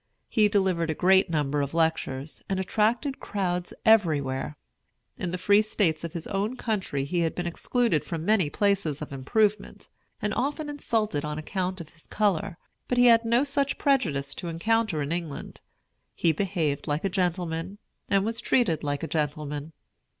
He delivered a great number of lectures, and attracted crowds everywhere. In the Free States of his own country he had been excluded from many places of improvement, and often insulted on account of his color; but he had no such prejudice to encounter in England. He behaved like a gentleman, and was treated like a gentleman.